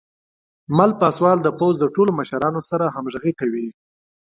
مل پاسوال د پوځ د ټولو مشرانو سره همغږي کوي.